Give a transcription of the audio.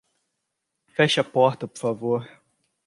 Feche a porta, por favor.